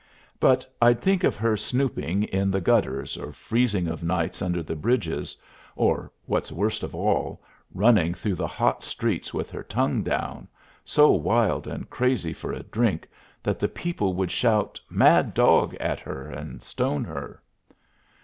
But I'd think of her snooping in the gutters, or freezing of nights under the bridges, or, what's worst of all, running through the hot streets with her tongue down, so wild and crazy for a drink that the people would shout "mad dog" at her and stone her.